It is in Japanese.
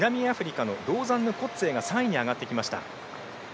ローザンヌ・コッツェーが３位に上がってきました。